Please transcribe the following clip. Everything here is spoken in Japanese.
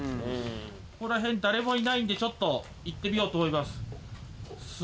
ここら辺誰もいないんでちょっと行ってみようと思います。